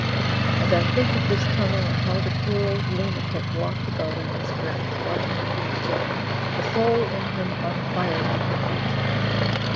And I think of this timnel, and how the poor old lunatic walked about on this grass, watching it being built, the soul in him on fire with the future.